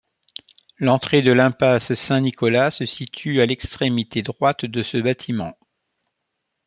L'entrée de l'impasse Saint-Nicolas se situe à l'extrémité droite de ce bâtiment.